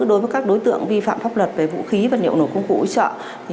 đối với các đối tượng vi phạm pháp luật về vũ khí vật liệu nổ công cụ hỗ trợ